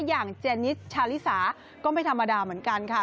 อย่างเจนิสชาลิสาก็ไม่ธรรมดาเหมือนกันค่ะ